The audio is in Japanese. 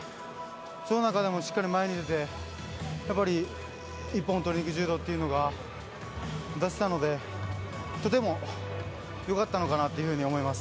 その中でもしっかり前に出て一本を取りにいく柔道が出せたのでとても良かったのかなと思います。